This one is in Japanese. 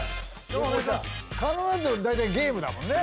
狩野なんて大体ゲームだもんね